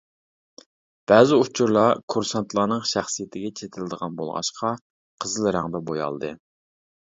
بەزى ئۇچۇرلار كۇرسانتلارنىڭ شەخسىيىتىگە چېتىلىدىغان بولغاچقا، قىزىل رەڭدە بويالدى.